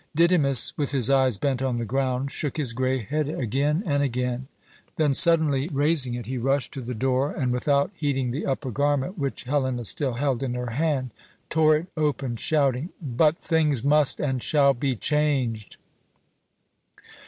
Didymus, with his eyes bent on the ground, shook his grey head again and again. Then, suddenly raising it, he rushed to the door, and without heeding the upper garment which Helena still held in her hand, tore it open, shouting, "But things must and shall be changed!"